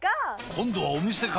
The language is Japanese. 今度はお店か！